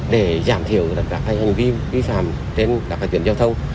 để giảm thiểu các hành vi vi phạm trên các tuyến giao thông